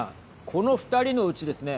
この２人のうちですね